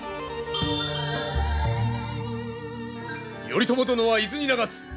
頼朝殿は伊豆に流す。